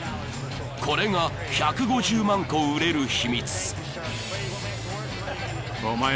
［これが１５０万個売れる秘密］